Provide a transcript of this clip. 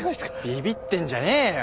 ビビってんじゃねえよ。